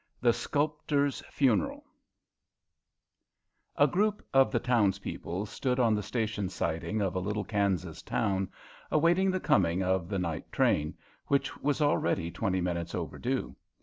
The Sculptor's Funeral A group of the townspeople stood on the station siding of a little Kansas town, awaiting the coming of the night train, which was already twenty minutes overdue.